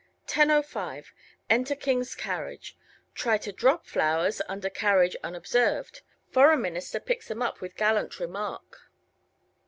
10:05 Enter King's carriage. Try to drop flowers under carriage unobserved. Foreign Minister picks them up with gallant remark.